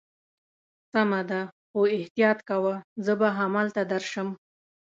سمه ده، خو احتیاط کوه، زه به همالته درشم.